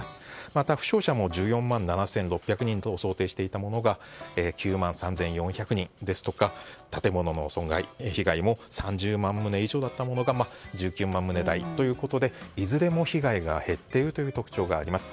また、負傷者も１４万７６００人を想定していたものが９万３４００人ですとか建物の損害・被害も３０万棟以上だったものが１９万棟ぐらいということでいずれも被害が減っているという特徴があります。